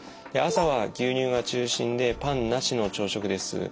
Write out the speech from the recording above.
朝は牛乳が中心でパンなしの朝食です。